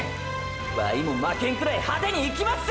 ワイも負けんくらい派手にいきまっせ！！